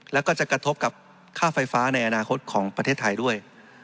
แล้วก็จะกระทบกับค่าไฟฟ้าในอนาคตของประเทศไทยด้วย